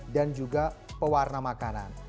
dan juga pewarna makanan